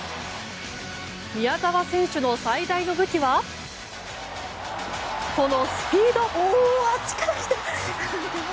宮澤選手の最大の武器はこのスピード！